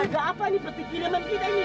ada apaan di peti kiriman kita ini